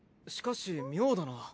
しかし妙だな。